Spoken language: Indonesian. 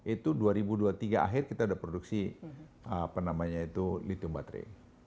itu dua ribu dua puluh tiga akhir kita sudah produksi apa namanya itu litung baterai